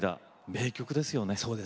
名曲ですよね。